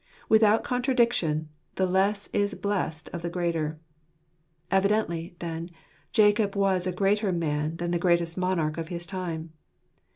"Without contradiction, the less is blessed of the greater." Evidently, then, Jacob was a greater man than the greatest monarch of his time.